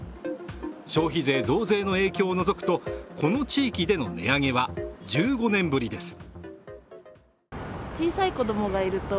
消費税増税の影響を除くと、この地域での値上げは１５年ぶりです。